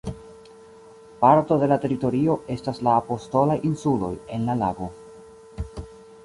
Parto de la teritorio estas la "Apostolaj Insuloj" en la lago.